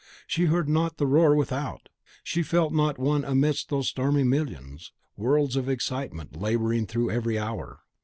She heard not the roar without, she felt not one amidst those stormy millions, worlds of excitement labouring through every hour.